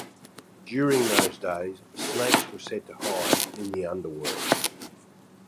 During those days, snakes were said to hide in the underworld.